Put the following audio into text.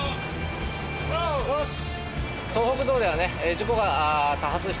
よし！